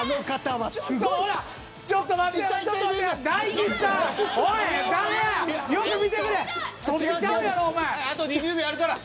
はいあと２０秒あるから。